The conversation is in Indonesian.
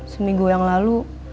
seminggu yang lalu